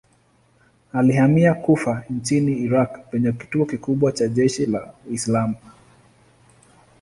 Alihamia Kufa nchini Irak penye kituo kikubwa cha jeshi la Uislamu.